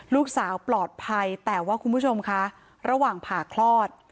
ลูกสาวปลอดภัยแต่ว่าคุณผู้ชมคะระหว่างผ่าคลอด